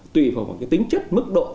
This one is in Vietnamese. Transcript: tùy vào tính chất mức độ